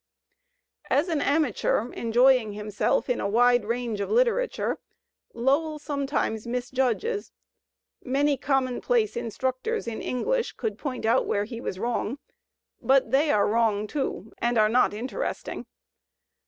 As an amateur enjoying himself in a wide range of litera tiure, Lowell sometimes misjudges. Many commonplace instructors in English could point out where he was wrong, but they are wrong, too, and are not interesting.